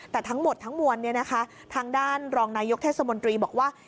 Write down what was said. แต่ทั้งหมดทั้งมวลทางด้านรองนายกเทศมนตรีบอกว่า